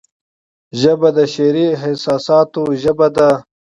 ژبه د شعري احساساتو ژبه ده